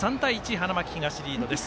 花巻東、リードです。